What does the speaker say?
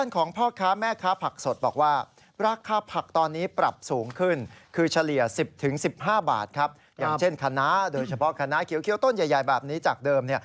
ขณะเขียวต้นใหญ่แบบนี้จากเดิม